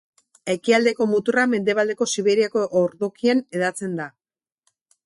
Ekialdeko muturra Mendebaldeko Siberiako ordokian hedatzen da.